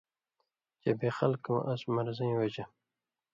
چے بے خلکؤں اس مرضیں وجہۡ،